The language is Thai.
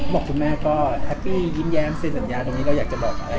บอกคุณแม่ก็แฮปปี้ยิ้มแย้มเซ็นสัญญาตรงนี้เราอยากจะบอกอะไร